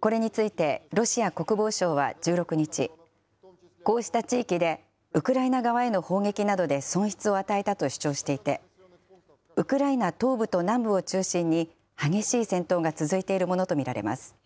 これについてロシア国防省は１６日、こうした地域でウクライナ側への砲撃などで損失を与えたと主張していて、ウクライナ東部と南部を中心に、激しい戦闘が続いているものと見られます。